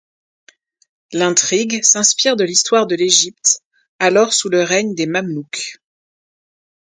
L'intrigue s'inspire de l'histoire de l'Égypte, alors sous le règne des Mamelouks.